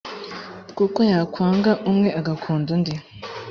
kuko yakwanga umwe agakunda undi